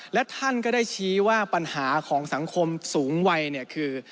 และท่านก็ได้ชี้ว่าปัญหาของสังคมสูงวัยเนี่ยคือ